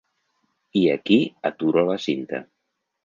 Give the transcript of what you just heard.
I aquí aturo la cinta.